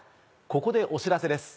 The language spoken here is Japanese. ここでお知らせです。